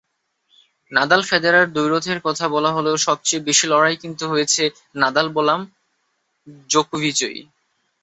Nadal-Federer দ্বৈরথের কথা বলা হলেও সবচেয়ে বেশি লড়াই কিন্তু হয়েছে নাদাল বনাম জোকোভিচই।